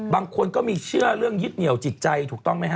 บางคนก็มีเชื่อเรื่องยึดเหนียวจิตใจถูกต้องไหมฮ